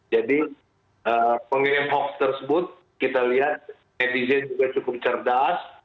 jadi pengirim hoax tersebut kita lihat netizen juga cukup cerdas